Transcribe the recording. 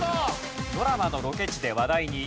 ドラマのロケ地で話題に。